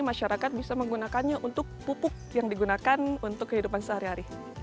masyarakat bisa menggunakannya untuk pupuk yang digunakan untuk kehidupan sehari hari